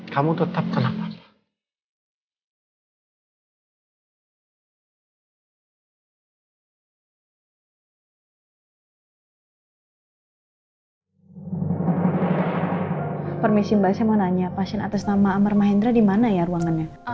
kamu tetap tenang